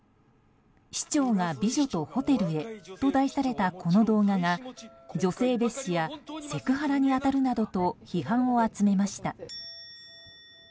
「市長が美女とホテルへ」と題されたこの動画が女性蔑視やセクハラに当たるなどと批判を集めました。